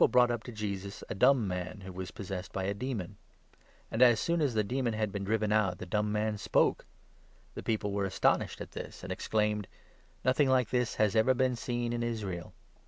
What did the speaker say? brought up to Jesus a dumb man who was possessed by a demon ; and, as soon as the demon had been 33 driven out, the dumb man spoke. The people were astonished at this, and exclaimed :" Nothing like this has ever been seen in Israel